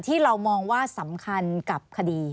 ที่เรามองว่าสำคัญกับคดี